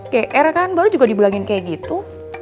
kek r kan baru juga dibilangin kayak gitu